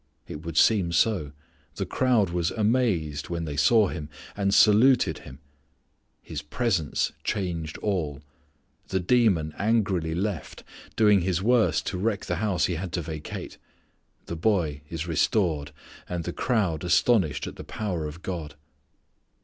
It would seem so. The crowd was "amazed" when they saw Him, and "saluted" Him. His presence changed all. The demon angrily left, doing his worst to wreck the house he had to vacate. The boy is restored; and the crowd astonished at the power of God.